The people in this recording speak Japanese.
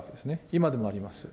今でもあります。